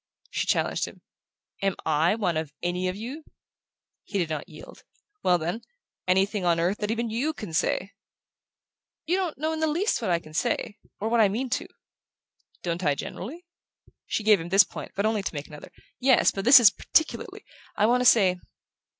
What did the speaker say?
She challenged him: "Am I one of 'any of you'?" He did not yield. "Well, then anything on earth that even YOU can say." "You don't in the least know what I can say or what I mean to." "Don't I, generally?" She gave him this point, but only to make another. "Yes; but this is particularly. I want to say...